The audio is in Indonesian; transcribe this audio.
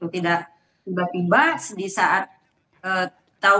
tidak tiba tiba di saat tahun dua ribu enam belas